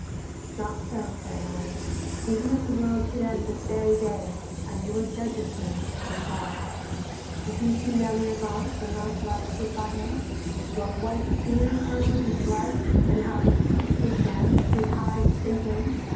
……. Not so, fair lords, even if the world should end "This very day, and you were judges here Instead of God. Did you see Mellyagraunce When Launcelot stood by him? what white fear "Curdled his blood, and how his teeth did dance, His side sink in?